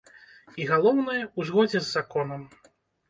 І галоўнае, у згодзе з законам.